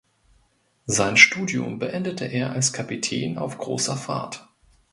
Sein Studium beendete er als Kapitän auf großer Fahrt.